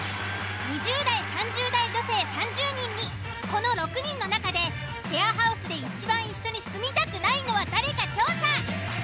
２０代３０代女性３０人にこの６人の中でシェアハウスでいちばん一緒に住みたくないのは誰か調査。